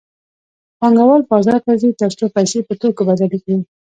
پانګوال بازار ته ځي تر څو پیسې په توکو بدلې کړي